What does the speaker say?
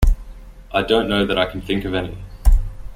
I don’t know that I can think of any.